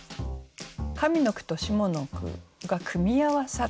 上の句と下の句が組み合わさるということ。